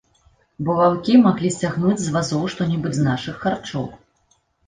Бо ваўкі маглі сцягнуць з вазоў што-небудзь з нашых харчоў.